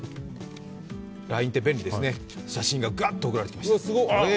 ＬＩＮＥって便利ですね、写真がガッと送られてきました。